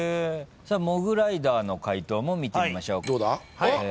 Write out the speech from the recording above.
モグライダーの解答も見てみましょう。